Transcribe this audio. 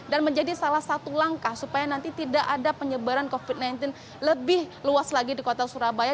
dan menjadi salah satu langkah supaya nanti tidak ada penyebaran covid sembilan belas lebih luas lagi di kota surabaya